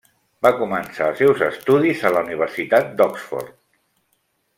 Va començar els seus estudis a la Universitat d'Oxford.